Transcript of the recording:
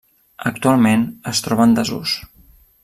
Actualment es troba en desús.